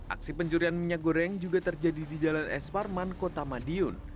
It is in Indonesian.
aksi pencurian minyak goreng juga terjadi di jalan es parman kota madiun